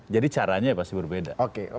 jadi caranya pasti berbeda